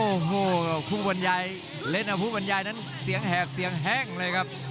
โอ้โหคู่บรรยายเล่นเอาผู้บรรยายนั้นเสียงแหกเสียงแห้งเลยครับ